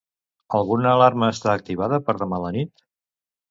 Alguna alarma està activada per demà a la nit?